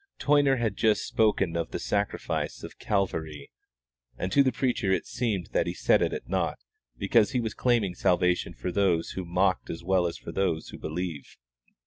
Toyner had just spoken of the sacrifice of Calvary, and to the preacher it seemed that he set it at naught, because he was claiming salvation for those who mocked as well as for those who believe.